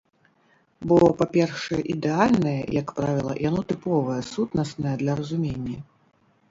Бо, па-першае, ідэальнае, як правіла, яно тыповае, сутнаснае для разумення.